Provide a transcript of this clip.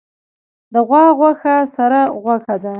د غوا غوښه سره غوښه ده